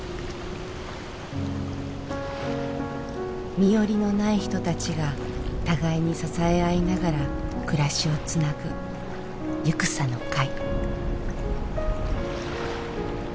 身寄りのない人たちが互いに支え合いながら暮らしをつなぐ「ゆくさの会」。